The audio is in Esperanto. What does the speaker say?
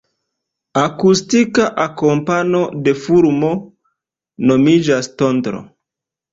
Akustika akompano de fulmo nomiĝas tondro.